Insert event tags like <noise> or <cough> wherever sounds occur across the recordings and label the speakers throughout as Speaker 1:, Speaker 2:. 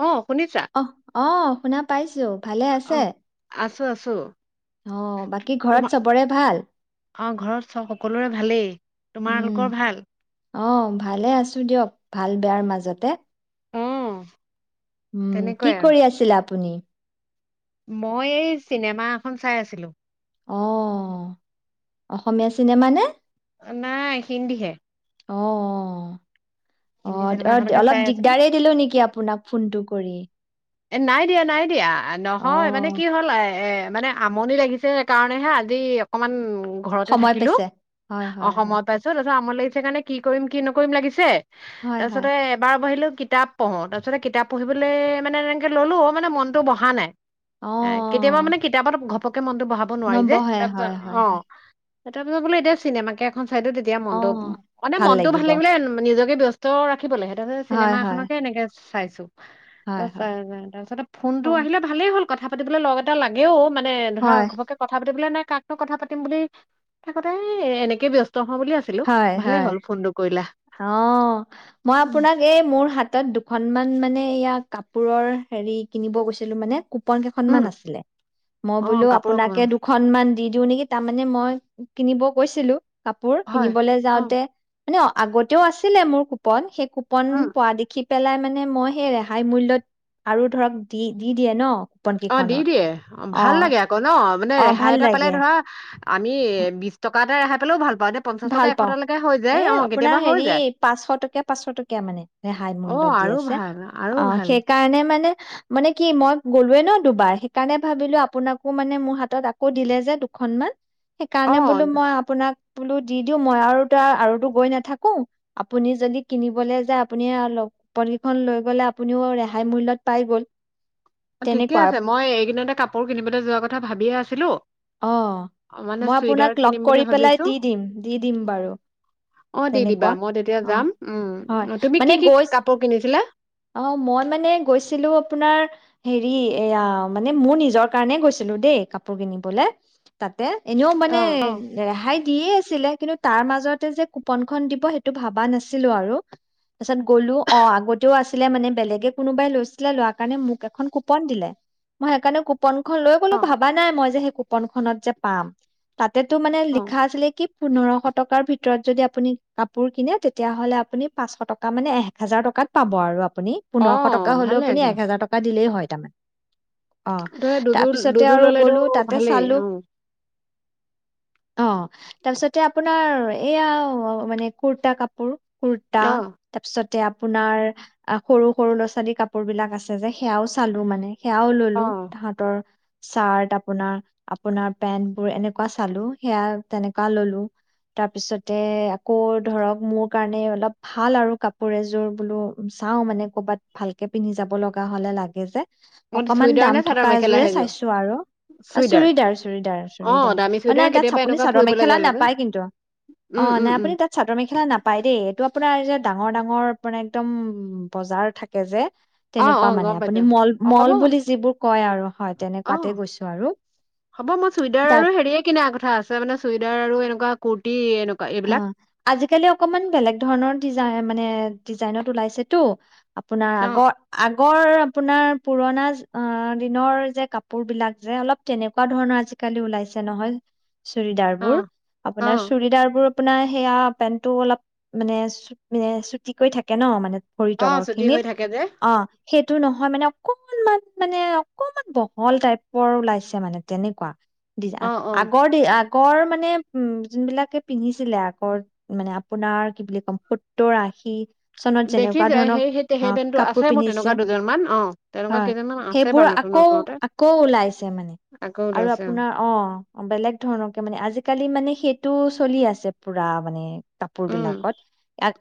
Speaker 1: অ শুনিছা
Speaker 2: অ আহ শুনা পাইছো ভালে আছে
Speaker 1: ছো আছো।
Speaker 2: অ', বাকী ঘৰত
Speaker 1: তোমাৰ
Speaker 2: চবৰে ভাল?
Speaker 1: অ ঘৰত চ সকলোৰে ভালেই।
Speaker 2: উম,
Speaker 1: তোমালোকৰ ভাল
Speaker 2: অ ভালে আছো দিয়ক। ভাল বেয়াৰ মাজতে।
Speaker 1: অ
Speaker 2: উম, কি
Speaker 1: তেনেকুৱাই আৰু
Speaker 2: কৰি আছিলে আপুনি?
Speaker 1: মই এই চিনেমা এখন চাই আছিলো।
Speaker 2: অ, অসমীয়া চিনেমা নে?
Speaker 1: নাই, হিন্দী হে।
Speaker 2: অ, অ। অ,
Speaker 1: চিনেমা
Speaker 2: অদ
Speaker 1: এখনকে
Speaker 2: অলপ
Speaker 1: চাই আছিলো
Speaker 2: দিগদাৰ দিলো নেকি আপোনাক ফোনটো কৰি।
Speaker 1: এ নাই দিয়া, নাই দিয়া। আ
Speaker 2: অ
Speaker 1: নহয় মানে কি হ'ল, আ এ মানে আমনি লাগিছে সেইকাৰণে হে আজি অকনমান ঘৰতে
Speaker 2: সময়
Speaker 1: থাকিলো,
Speaker 2: পাইছে হয়
Speaker 1: অ
Speaker 2: হয় হয়
Speaker 1: সময় পাইছো, তা আমনি লাগিছে কাৰণে কি কৰিম কি নকৰিম লাগিছে।
Speaker 2: হয় হয়
Speaker 1: তাছতে এবাৰ বহিলো কিতাপ পঢ়ো, তাছতে কিতাপ পঢ়িবলে মানে এ ল'লো, মানে মনতো বহা নাই।
Speaker 2: অ
Speaker 1: এ কেতিয়াবা মানে কিতাপত ঘপক তো মনটো বহাব নোৱাৰি যে,
Speaker 2: নবহে হয়
Speaker 1: তাৰপিছত
Speaker 2: হয়
Speaker 1: অ।
Speaker 2: হয়
Speaker 1: এটা বজা বোলে এতিয়া চিনেমাকে এখন হয়তো তেতিয়া
Speaker 2: অ
Speaker 1: মনতো, এনে মনতটো ভাল লাগিবলে ম নিজক এ ব্যস্ত ৰা খিবল হেতুকে
Speaker 2: হয় হয়
Speaker 1: চিনেমাখনকে এনেকে চাইছো।
Speaker 2: হয়, হ
Speaker 1: পাৰা যায়, তাৰপিছতে ফোন টো আহিলে ভালেই হ'ল। কথা পাতিবলৈ লগ এটা লাগেও। মানে, ধৰা
Speaker 2: হয়
Speaker 1: ঘৰকে কথা পাতিবলে নাই কাকনো কথা পাতিম বুলি থাকোতে এ এনেকে ব্যস ত হও বুলি আছিলো,
Speaker 2: হয়
Speaker 1: ভালেই
Speaker 2: হয়
Speaker 1: হ'ল ফোনটো কৰিলা।
Speaker 2: অ, মই
Speaker 1: উম
Speaker 2: আপোনাক এই মোৰ হাতত দুখন অনমান মানে ইযয়া কাপোৰৰ হেৰি কিনিব গৈছিলো মানে কুপন ক
Speaker 1: উম
Speaker 2: আছিলে মই
Speaker 1: অ
Speaker 2: বোলো
Speaker 1: কাপোৰৰ কথা
Speaker 2: আপোনে দুখন দি দিওঁ নেকি তাৰমানানে মই কিনিব কৈছিলো কাপোৰ
Speaker 1: হয়
Speaker 2: কিনিবলৈ
Speaker 1: অ
Speaker 2: যাওঁতে ন ন আগতেও আছিলে মোৰ কুপন সেই কুপন
Speaker 1: উম
Speaker 2: পোৱা দেখি পেলাই মানে মই সেই ৰেহাই মূল্য়ত আৰু ধৰক দি দি দিয়ে ন কুপন
Speaker 1: অ দি
Speaker 2: কেইখনৰ
Speaker 1: দিয়ে অ ভাল লাগে আকৌ ন মানে
Speaker 2: অ',
Speaker 1: ৰেহাই
Speaker 2: ভাল
Speaker 1: এটা পালে
Speaker 2: লাগে
Speaker 1: ধৰা আমি বিশ টকা ককাতেৰেই পওাল
Speaker 2: ভাল পাও এ আপোনাৰ
Speaker 1: কেতিয়াবা হৈ
Speaker 2: হেৰি
Speaker 1: যায়
Speaker 2: পাঁচশ টকীয়া পাঁচশ টকীয়া মানে ৰেহাই
Speaker 1: অ
Speaker 2: মূল্্যত দি
Speaker 1: আৰু
Speaker 2: আছে
Speaker 1: ভাল আৰু
Speaker 2: অ
Speaker 1: ভাল
Speaker 2: সেইকাৰণে মানে মানে কি মই গলোয়ে ন দুবাৰ সেইকাৰণে ভাবিলো আপোনাকো মানে মোৰ হাতত আকৌ দিলে যে দুখনমান
Speaker 1: অ
Speaker 2: সেইকাৰণে বোলো মই আপোনাক বো দি দিও মই আৰু আৰুো গৈ নাথাকো আপুনি যদি কিনিব য আপুনি লৈ গলে আপু পাই গল
Speaker 1: ঠিকে আছে
Speaker 2: তেনেকুৱা
Speaker 1: মই এইকিনতে কাপোৰ কিনিবলৈ যোৱা কথা ভাবিয়ে আছিলো
Speaker 2: অ
Speaker 1: অ, মানে
Speaker 2: মই
Speaker 1: চুইদাৰ
Speaker 2: আপোনাক লগ
Speaker 1: কিনিম বুলি
Speaker 2: কৰি পেলাই
Speaker 1: ভাবিছো
Speaker 2: দি দিম দি দিম বাৰু
Speaker 1: অ দি দিবা
Speaker 2: তেনেকুৱা
Speaker 1: মই তেতিয়া
Speaker 2: অ
Speaker 1: যাম উম
Speaker 2: হয়
Speaker 1: অ, তুমি কি
Speaker 2: মানে
Speaker 1: কি
Speaker 2: গৈ
Speaker 1: কাপোৰ কিনিছিলা
Speaker 2: অ মই মানে গৈছিলো আপোনাৰ হেৰি এয়া মানে মোৰ নিজৰ কাৰণে গৈছিলো দেই কাপোৰ কিনি বোলে তাত এনেও
Speaker 1: অ
Speaker 2: মানে
Speaker 1: অ
Speaker 2: ৰেহাই দিয়ে আছে ছিলে কিন্তু তাৰ মাজতে যে কুপনখনন দিব সেইটো ভাবা নাছিলো আৰু তাৰপিছত গ'লো অ আগতেও আছিলে মানে বেলেগে কোনোবাই লৈছিলে লোৱা কাৰণে মোক এখন কুপন দিলে মই সেইকাৰণে কুন পন খন লৈ গললে
Speaker 1: অ
Speaker 2: ভাবা নাই মই যে <unintelligible> তেটো মানে
Speaker 1: অ
Speaker 2: লিখা আছিলে কি পোন্ধৰশ টকাৰ ভিতৰত যদি আপুনি কাপোৰ কিনে তেতিয়ালে আপু পচশ টকা মানে হাৰ টকাত পাব আৰু আ
Speaker 1: অ
Speaker 2: পোন্ধৰশ টকা হলেও
Speaker 1: ভালে
Speaker 2: আু টকা দিলেই হয় তাৰমান অ
Speaker 1: ধৰা দুযোৰ
Speaker 2: তাৰপিছতে
Speaker 1: দুযোৰ
Speaker 2: আৰু
Speaker 1: ললেতো
Speaker 2: গ'লো তাত
Speaker 1: ভালেই অ
Speaker 2: অ তাৰপিছতে আপোনাৰ এইয়া মানে কুৰ্তা কাপোৰ কুুৰ্তা
Speaker 1: অ
Speaker 2: তাৰপিছত এ আপোনাৰ সৰু সৰু ল'ৰা ছোৱালী কাপোৰ বিলাক আছে যে সেয়াও চালো মানে সেয়াও
Speaker 1: অ
Speaker 2: ললো তাহতৰ চাৰ্ আ আপোনাৰ আপোনাৰ পেন্ট বোৰ এনেকুৱা চালো সেয়া তেনেকুৱা ললো তাৰ পিছতে আকৌ ধৰক মোৰ কাৰণে অলপ ভাল আৰু কাপোৰ এযোৰ বোলো চাও মানে কৰ'বাত ভালকে পিন্ধি যাব লগা হলে লাগে যে
Speaker 1: মই
Speaker 2: অকমান
Speaker 1: চুইদাৰ নে
Speaker 2: দাম
Speaker 1: চাদৰ
Speaker 2: থকা
Speaker 1: মেখেলা
Speaker 2: এযোৰে
Speaker 1: সেইযোৰ
Speaker 2: চাইছো আৰু অ
Speaker 1: চুইদাৰ
Speaker 2: চুৰিদাৰ চুৰিদাৰ
Speaker 1: অ
Speaker 2: চুৰিদাৰ
Speaker 1: দামী
Speaker 2: অ
Speaker 1: চুইদাৰ
Speaker 2: নাই তাত
Speaker 1: কেতিয়াবা
Speaker 2: আপুনি
Speaker 1: এনেকুৱা
Speaker 2: চাদৰ
Speaker 1: ফুৰিবলৈ
Speaker 2: মেখেলা
Speaker 1: যায় লাগে
Speaker 2: নাপায় কিন্তু অ
Speaker 1: উম উম
Speaker 2: নাই
Speaker 1: উম
Speaker 2: আপুনি তাত চাদৰ মেখেলা নাপায় দেই এইটো আপোনাৰ যে ডাঙৰ ডাঙৰ মানে একদম বজাৰ থাকে যে
Speaker 1: অ অ
Speaker 2: তেনেকুৱা মানে
Speaker 1: গম
Speaker 2: আপুনি
Speaker 1: পাইছো
Speaker 2: মল
Speaker 1: অ হ'ব
Speaker 2: মল বুলি যিবোৰ কয় আৰু হয়
Speaker 1: অ
Speaker 2: তেনেকুৱাতে গৈছো আৰু
Speaker 1: হ'ব মোৰ চুইদাৰ
Speaker 2: তাৰ
Speaker 1: আৰু হেৰিয়ে কিনা কথা আছে মানে চুইদাৰ আৰু এনেকুৱা কুৰ্টি
Speaker 2: অ আজিকালি অকমান বেলেগ ধৰণৰ ডিজাইন মানে ডিজাইনত ওলাইছেটো আপোনাৰ
Speaker 1: অ
Speaker 2: আগৰ আগ আগৰ আপোনাৰ পুৰণা দিনৰ যে কাপোৰ বিলাক যে অলপ তেনেকুৱা ধৰণৰ আজিকালি ওলাইছে নহয় চুৰিদাৰ
Speaker 1: অ
Speaker 2: বোৰ।
Speaker 1: অ
Speaker 2: আপোনাৰ চুৰিদাৰ বোৰ আপোনাৰ সেইয়া পেণ্টটো অলপ মানে চু মানে চুটি কৰি থাকে ন মানে ভৰি
Speaker 1: অ
Speaker 2: তলৰ
Speaker 1: ছুটি
Speaker 2: খিনিত।
Speaker 1: হৈ থাকে যে
Speaker 2: অ সেই টো নহয় মানে অকনমান মানে অকনমান বহল টাইপৰ ওলাইছে মানে তেনেকুৱা দি
Speaker 1: অ অ
Speaker 2: আগৰ দি আগৰ মানে উম যোনবিলাকে পিন্ধিছে ছিলে আকৌ মানে আপোনাৰ কি বুলি ক'ম সত্তৰ আশী চনত
Speaker 1: দেখি
Speaker 2: যেনেকুৱা
Speaker 1: যায়
Speaker 2: ধৰণৰ
Speaker 1: সেই সেই সেই
Speaker 2: অ
Speaker 1: পেণ্টটো আছে
Speaker 2: কাপোৰ
Speaker 1: মোৰ তেনেকুৱা
Speaker 2: পিন্ধিছে।
Speaker 1: দুজনমান অ তেনেকুৱা
Speaker 2: হয়।
Speaker 1: কেইজনমান আছে
Speaker 2: সেইবোৰ
Speaker 1: বাৰু নতুন
Speaker 2: আকৌ
Speaker 1: নতুনতে
Speaker 2: আকৌ ওলাইছে মানে
Speaker 1: আকৌ
Speaker 2: আৰু
Speaker 1: ওলাইছে অ
Speaker 2: আপোনাৰ অ বেলেগ ধৰণকে মানে আজিকালি মানে সেই টো চলি আছে পুৰা মানে কাপোৰ
Speaker 1: উম
Speaker 2: বিলাকত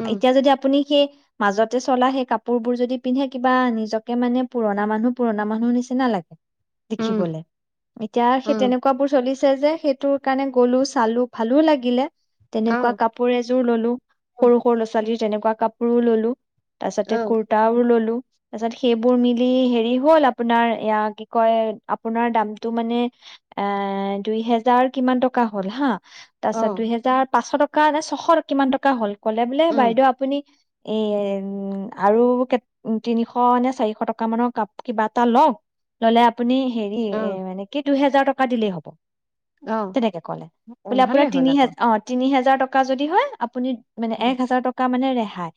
Speaker 1: উম
Speaker 2: এতিয়া যদি আপুনি সেই মাজতে চলা সেই কাপোৰবোৰ যদি পিন্ধে কিবা নিজকে মানে
Speaker 1: উম
Speaker 2: দেখিবলে এতিয়া সেই
Speaker 1: উম
Speaker 2: তেনেকুৱাবোৰ চলিছে যে সেইটোৰ কাৰণে গ'লো চালো ভালো লাগিলে
Speaker 1: অ
Speaker 2: তেনেকুৱা কাপোৰ এযোৰ ললো
Speaker 1: উম,
Speaker 2: সৰু সৰু ল'ৰা-ছোৱালী যেনেকুৱা কাপোৰো ললো
Speaker 1: অ
Speaker 2: তাৰপাছতে কুৰ্তাও ললো তাৰপিছত সেইবোৰ মিলি হেৰি হল আপোনাৰ এয়া কি কয় আপোনাৰ দামটো মানে এ দুই হেজাৰ কিমান টকা হ'ল হা তাৰ
Speaker 1: অ
Speaker 2: পিছত দুইহেজাৰ পাঁচশ টকা নে ছশ কিমান টকা হ'ল কলে বোলে
Speaker 1: উম
Speaker 2: বাইদেউ আপুনি এ উম আৰু তিনিশ নে চাৰিশ টকা মানৰ কাপোৰ কিবা এটা লওক। ললে আপুনি হেৰি
Speaker 1: অ
Speaker 2: এ মানে কি হাজাৰ টকা দিলেই হ'ব
Speaker 1: অ
Speaker 2: তেনেকে ক'লে
Speaker 1: অ
Speaker 2: বোলে আপোনাৰ
Speaker 1: ভালেই হ'ল
Speaker 2: তিনি
Speaker 1: আকৌ
Speaker 2: হজাৰ অ' তিনি হাজাৰ টকা যদি হয় আপুনি মানে এক
Speaker 1: উম
Speaker 2: হাজাৰ টকা মানে ৰে ভাই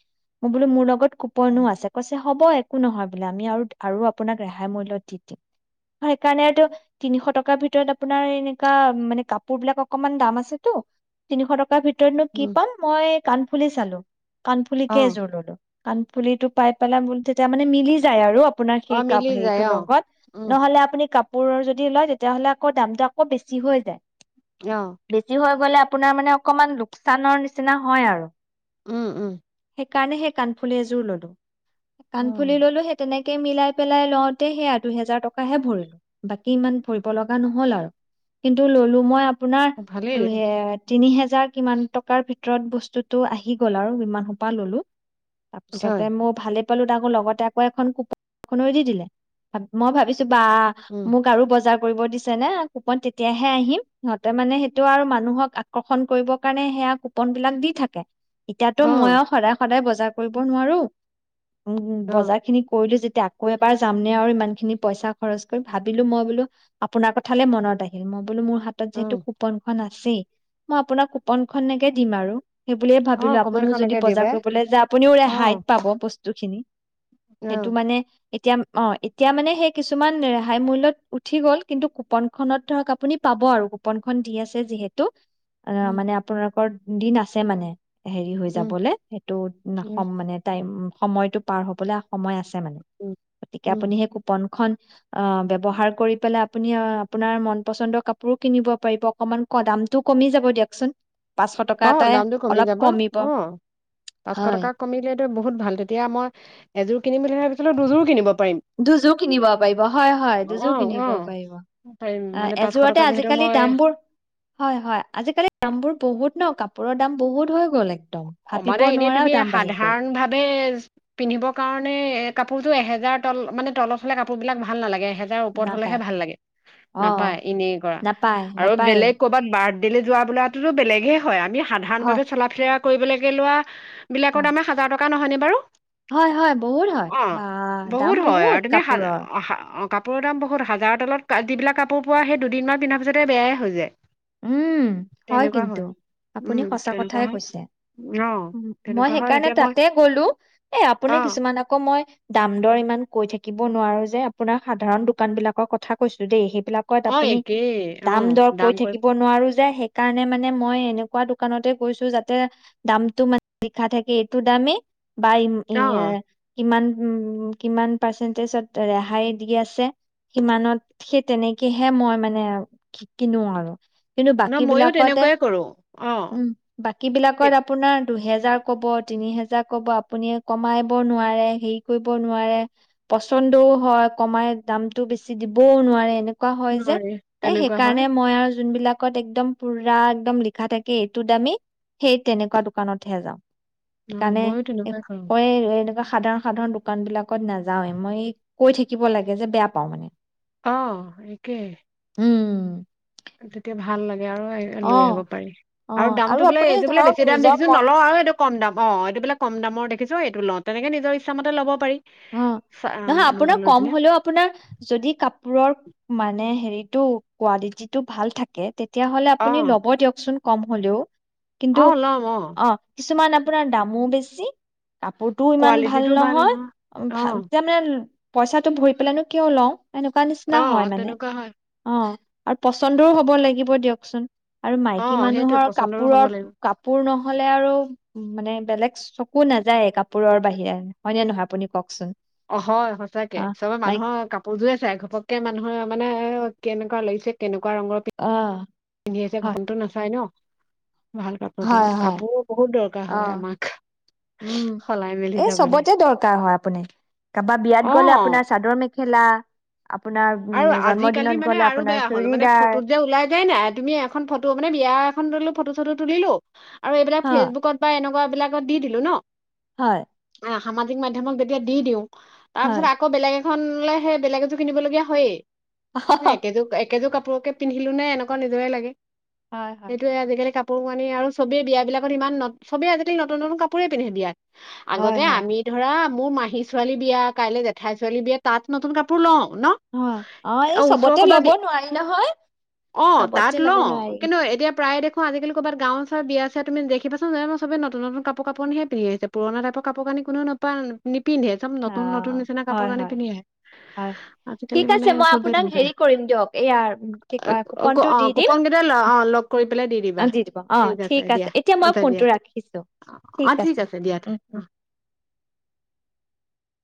Speaker 2: অ বোলে মোৰ লগত কুপনো আছে কৈছে হ'ব একো নহয় বোলে আমি আৰু আৰু আপোনাক ৰেহাই মূল্য়ত দি দিম সেইকাৰণে আৰু তিনিশ টকাৰ ভিতৰত আপোনাৰ এনেকুৱা মানে কাপোৰ বিলাক অকনমান দাম আছেতো তিনিশ টকা ভিতৰতনো কি
Speaker 1: উম
Speaker 2: পাম মই কাণফুলে চালো কাণফুলিকে
Speaker 1: অ
Speaker 2: এযোৰ ললো কাণফুলিটো পাই পেলাই তেতিয়া মানে মিলি যায় আৰু আপোনাৰ
Speaker 1: অ
Speaker 2: সেই
Speaker 1: মিলি
Speaker 2: কাপোৰ সেই
Speaker 1: যায় অ
Speaker 2: লগত
Speaker 1: উম
Speaker 2: নহলে আপুনি কাপ কাপোৰৰ যদি লয় তেতিয়াহ'লে আকৌ দামটো আকৌ বেছি হৈ যায়
Speaker 1: অ
Speaker 2: বেছি হয় <inaudible> আপোনাৰ মানে অকমান লোকচানৰ নিচিনা হয় আৰু
Speaker 1: উম উম!
Speaker 2: সেইকাৰণে সেই কাণফুলি এযোৰ ললো কাণফুলি
Speaker 1: উম
Speaker 2: ললো সেই তেনেকে, মিলাই পেলাই লওঁতে সেই আ দু হেজাৰ টকাহে ভৰিলো বাকি ইমান ভৰিব লগা নহল আৰু কিন্তু ললো মই আপোনাৰ
Speaker 1: অ ভালেই
Speaker 2: দুই হে তিনি হোজাৰ কিমান টকাৰ ভিতৰত বস্তুতটো আহি গ'ল আৰু ইমান সোপা ললো তাৰপিছতে
Speaker 1: হয়
Speaker 2: মোৰ ভালে পালো, তাৰ আকৌ লগতে আকৌ এখন কুপন <unintelligible> ‌ দি দিলে। ভাবিছ মই ভা কিবা,
Speaker 1: উম
Speaker 2: মোক আৰু বজাৰ কৰিব দিছে নে কুপন তেতিয়াহে আহিম সিহতে মানে সেইটো আৰু মানুহক কৰ্ষণ কৰিবৰ কাৰণে সেয়া কুপন বিলাক দি থাকে। এতিয়াতো
Speaker 1: অ
Speaker 2: মই আও সদায় সদায় বজ বজাৰ কৰিব নোৱাৰো
Speaker 1: অ
Speaker 2: বজাৰ খিনি কৰিলোঁ যেত আকৌ এবাৰ যাম নে আৰু ইমান খিনি পইচা খৰচ কৰিম ভাবিলো মই বোলো আপোনাৰ কথালে মনত আহিল মই বোলো মোৰ হাতত
Speaker 1: অ
Speaker 2: যিহেতু কুপনখন আ ছি মই আপোনাৰ কুপনখননেকে দিম আৰু সেই বুলিয়ে
Speaker 1: অ
Speaker 2: ভাবিলো আপুনিও যদি
Speaker 1: কমানখনকে
Speaker 2: বজাৰ
Speaker 1: দিবা
Speaker 2: কৰিবলৈ যায় আপুনিও
Speaker 1: অ
Speaker 2: ৰেহাই পাব বস্তু টোখিনি
Speaker 1: অ
Speaker 2: সেইটো মানে এতিয়া অ এতিয়া মানে সেই কিছুমান ৰেহাই মূল্যত উঠি গল কিন্তু কুপন খত ধৰক আপুনি পাব আৰু কুপনখন দি আছে যিহেতু অ
Speaker 1: উম
Speaker 2: মানে আপোনাৰ দিন আছে মানে হেৰি হৈ
Speaker 1: উম
Speaker 2: যাবলে সেইটো
Speaker 1: উম
Speaker 2: নখম মানে টাইম সময়তটো পাৰ হবলৈ সময় আছে
Speaker 1: উম
Speaker 2: গতিকে
Speaker 1: উম
Speaker 2: আপুনি সেই কুপনখন অ ব্যহাৰ কৰি পেলাই আপুনি আপোনাৰ মন পচন্দৰ কাপোৰো কিনিব পাৰিব অকমান দামতটো কমি যাব হ'ব দিয়কচোন পাঁচশ টকা
Speaker 1: অ
Speaker 2: এটাই
Speaker 1: দামতটো কমি
Speaker 2: অলপ
Speaker 1: যাব
Speaker 2: কমিব
Speaker 1: অ পাঁচশ
Speaker 2: হয়
Speaker 1: টকা কমিলিয়েতো বহুত ভাল তেতিয়া মই এযোৰ কিনিম বুলি তাৰিছত দুযোৰ কিনিব পাৰিম
Speaker 2: দুযোৰ কিনিব পাৰিব হয় হয়
Speaker 1: অ
Speaker 2: দুযোৰ
Speaker 1: অ
Speaker 2: কিনিব
Speaker 1: পাৰিম
Speaker 2: পাৰিব
Speaker 1: মানে পাঁচশ টকা
Speaker 2: এযোৰাতে
Speaker 1: যিহেতু
Speaker 2: আজিকালি
Speaker 1: মই
Speaker 2: দামবোৰ হয় হয় আজিকালি দামবোৰ বহুত ন কাপোৰৰ দাম বহুত হৈ গ'ল এক
Speaker 1: অ মানে এনেই তুমি সাধাৰণ ভাৱে পিন্ধিবৰ কাৰণে কাপোৰতো এহেজাৰ তল মানে তলৰ ফললে কাপোৰ বিলাক ভাল নালাগে এটা ওপৰত
Speaker 2: নাপায়
Speaker 1: হলেহে ভাল লাগে নাপাই
Speaker 2: অঁ,
Speaker 1: এনেই কৰা
Speaker 2: নাপায়,
Speaker 1: আৰু
Speaker 2: নাপায়ে।
Speaker 1: বেলেগ কৰবাত বাড আ যোৱা বোলাো বেলেগে হয় আমি
Speaker 2: হয়,
Speaker 1: সাধাৰণভাৱে চলা ফিলে কৰিবলৈকে লোৱা বিলাকৰ
Speaker 2: অ।
Speaker 1: দামে হাজাৰ টকা থকা নহয়নে বাৰু
Speaker 2: হয় হয় বহুত হয়
Speaker 1: অ
Speaker 2: বা দাম
Speaker 1: হয়
Speaker 2: বহুত
Speaker 1: আৰু তুমি হা
Speaker 2: কাপোৰৰ
Speaker 1: হা অ কাপোৰৰ দাম বহুত হাজাৰ তলত যিবিলাক কাপোৰ পোৱা সেই দুদিনমান পিন্ধাৰ পিছতেই বেয়াই হৈ যায়
Speaker 2: উম হয় কিন্তু আপুনি
Speaker 1: উম
Speaker 2: সঁচা
Speaker 1: তেনেকুৱা
Speaker 2: কথাই
Speaker 1: হয়
Speaker 2: কৈছে
Speaker 1: অ
Speaker 2: মই
Speaker 1: তেনেকুৱা হয়
Speaker 2: সেইকাৰণে
Speaker 1: এতিয়া মই
Speaker 2: তাতে গলো এ আপুনি
Speaker 1: অ
Speaker 2: কিছুমান আকৌ মই দাম দৰ ইমান কৈ থাকি থিকিব নোৱাৰো যে আপোনাৰ সাধাৰণ দোকান বিলাকৰ কথা কৈছো দেই সেই
Speaker 1: অ একেই অ দাম কৈ
Speaker 2: সেই কাৰে মানে মই এনেকুৱা দোকানতে গৈছো যাতে দামটো ম লিখা থাকে এইটো দামেই বা
Speaker 1: অ
Speaker 2: কিমান উম কিমান পাৰ্চেন্টিজত ৰেহাই দি আছে কিমানত সেই তেনেকেহে মই মানে কিনো আৰু কিন্তু
Speaker 1: ন
Speaker 2: বাকী
Speaker 1: ময়ো
Speaker 2: বিলাকতে
Speaker 1: তেনেকুৱাই কৰোঁ অ
Speaker 2: উম বাকী বিলাকত
Speaker 1: কেত
Speaker 2: আপোনাৰ দুহেজাৰ কব তিনি হেজাৰ কব আপুনি কমাইাব নোৱাৰে হেৰি কৰিব নোৱাৰে পচন্দও হয় কমাই দামতটো বেছি দিবও নোৱাৰে এনেকুৱ কোৱা হয় যে
Speaker 1: নোৱাৰে
Speaker 2: এ
Speaker 1: তেনেকুৱা হয়
Speaker 2: সেইকাৰণে মই আৰু যোনবিলাকত একদম পুৰা একদম লিখা থাকে এইটোত আমি সেই তেনেকুৱা দোকানত হে যাওঁ
Speaker 1: অ
Speaker 2: সেইকাৰণে
Speaker 1: ময়ো তেনেকুৱাই কৰোঁ
Speaker 2: হয় এনেকুৱা সাধাৰণ সাধাৰণ দোকান বিলাকত নাযাৱে মই কৈ থাকিব লাগে যে বেয়া পাওঁ মানে
Speaker 1: আহ একেই
Speaker 2: উম
Speaker 1: তেতিয়া ভাল লাগে লৈ
Speaker 2: অ',
Speaker 1: আহিব পাৰি আৰু
Speaker 2: অ',
Speaker 1: দামটো বোলে
Speaker 2: আপুনি
Speaker 1: এইযো বোলে
Speaker 2: ধৰক
Speaker 1: বেছি দাম
Speaker 2: নিজৰ
Speaker 1: দেখিছো
Speaker 2: মন
Speaker 1: নলওঁ আৰু এইটো কম দাম অ এইটো বোলে কম দামৰ দেখিছো এইটো লওঁ তেনেকে নিজৰ ইচ্ছাামতে ল'ব পাৰি
Speaker 2: অ
Speaker 1: চা অ
Speaker 2: নহয়
Speaker 1: এনেকুৱা
Speaker 2: আপোনাৰ
Speaker 1: লৈ
Speaker 2: কম
Speaker 1: পেলাই
Speaker 2: হলেও আপোনাৰ যদি কা কোৰৰ মানে হেৰিতটো কোৱালিটিটো ভাল থাকে তেতিয়াহ'লে
Speaker 1: অ
Speaker 2: আপুনি ল'ব দিয়কচোন কম হলেও
Speaker 1: অ
Speaker 2: কিন্তু
Speaker 1: ল'ম
Speaker 2: অ কিছুমান আপোনাৰ দামো বেছি জি কাপোৰটোও ইমান ভাল নহয়
Speaker 1: অ
Speaker 2: ভাল যেনে পইচাটো ভৰি পেলানো কিয় লওঁ এনেকুৱা নিচিনা
Speaker 1: অ
Speaker 2: হয় মানে
Speaker 1: তেনেকুৱা হয়
Speaker 2: অ আৰু পচন্দও হব লাগিব দিয়কচোন আৰু
Speaker 1: অ
Speaker 2: মাইকী
Speaker 1: সেইটোৱে
Speaker 2: মানুহৰ
Speaker 1: পচন্দৰো হ'ব
Speaker 2: কাপোৰৰ
Speaker 1: লাগিব
Speaker 2: কাপোৰ নহলে আৰু মানে বেলেগ চকু নাযায় কাপোৰৰ বাহিৰে হয়নে নহয় আপুনি কওকচোন
Speaker 1: অ হয় সচাকে
Speaker 2: অ
Speaker 1: চবে
Speaker 2: মাইকী
Speaker 1: মানুহৰ কাপোৰযোৰে আ চ ঘপককে মানুহৰ মানে কেনেুৱা লাগছে কেনেকা
Speaker 2: অ
Speaker 1: পিন্ধি আছে ঘথনটো নাচায় ন ন ভাল কাপোৰযোৰ
Speaker 2: হয় হয়
Speaker 1: কাপোৰ বহুত দৰকাৰ
Speaker 2: অ
Speaker 1: হয় আমাক
Speaker 2: উম
Speaker 1: সলাই মেলি
Speaker 2: এই
Speaker 1: যাবলে
Speaker 2: চবতে দৰকাৰ হয় আপুনি কাৰবাত বিয়াত
Speaker 1: অ
Speaker 2: গলে আপোনাৰ চাদৰ মে খেলা
Speaker 1: আৰু আজিকালি মানে আৰু
Speaker 2: আপোনাৰ
Speaker 1: বেয়া হ'ল মানে
Speaker 2: চুৰিদাৰ
Speaker 1: ফটোত যে ওলাই যায় নাই তুমি এখন ফটো মানে বিয়া এখন ফটো ফটো তুলিলো আৰু এইবিলাক
Speaker 2: হয়
Speaker 1: ফেচবুকত বা এনেকুৱা বিলাকত দি দিলো ন
Speaker 2: হয়
Speaker 1: সামাজিক মাধ্যমত যেতিয়া দি দিওঁ তাৰ
Speaker 2: হয়
Speaker 1: পিছত আকৌ বেলেগ খনলে সে বেলেগ এযো কিনিবলগীয়া হয় একেজো একেজো কাপ পুৰকে পিন্ধিলো নে এনেকুৱা নিজৰে লাগে
Speaker 2: হয় হয়।
Speaker 1: সেইটোয়ে আজিকালি কাপ কাপোৰ কানি আৰু চবেই বিয়াবিলাক ইমান নতুন নতুন কাপোৰে পিন্ধে বিয়াত
Speaker 2: হয়
Speaker 1: আগতে
Speaker 2: হয়
Speaker 1: আমি ধৰা মোৰ মাহী ছোৱালী বিয়া কাইলৈ জেঠাই ছোৱালী বিয়া তাত নতুন কাপোৰ লম ন
Speaker 2: অ অ এই
Speaker 1: ওচৰৰ
Speaker 2: চবতে
Speaker 1: ক'ৰবাত
Speaker 2: লব
Speaker 1: বি
Speaker 2: নোৱাৰি নহয়
Speaker 1: অ
Speaker 2: চবতে ল'ব নোৱাৰি
Speaker 1: অ আজিকালি'ৰাত গাঁওৰ বিয়া আছে তুমি দেখিবাোন জানোবে নতুন নতুন কাপোৰ কানি পিন্ধি পুৰণ টাইপ কাপোৰ কানি পিন্ধে, চব
Speaker 2: অ
Speaker 1: নতুন নতুন নিচিনা কাপোৰ
Speaker 2: হয়
Speaker 1: কানি
Speaker 2: হয়
Speaker 1: পিন্ধি
Speaker 2: হয় হয়।
Speaker 1: আহে আজিকালি
Speaker 2: ঠিক
Speaker 1: মানে
Speaker 2: আছে মই
Speaker 1: চবেই
Speaker 2: আপোনাক
Speaker 1: তেনেকুৱাই
Speaker 2: হেৰি কৰিম দিয়ক এইয়া কি ক
Speaker 1: অ
Speaker 2: কুপনটো
Speaker 1: অ
Speaker 2: দি দিম
Speaker 1: কুপন কেইটা ল- অ লগ কৰি পেলাই দিবা
Speaker 2: অ দি দিব অ ঠিক আছে
Speaker 1: দিয়া
Speaker 2: এতিয়া মই
Speaker 1: আচ্ছা দিয়া
Speaker 2: ফোনটো ৰাখিছো
Speaker 1: অ
Speaker 2: ঠিক আছে
Speaker 1: দিয়া তে- অ।